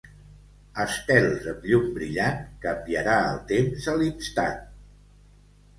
Estels amb llum brillant, canviarà el temps a l'instant.